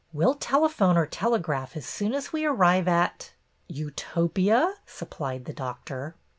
We'll tele phone or telegraph as soon as we arrive at —" "Utopia?" supplied the Doctor.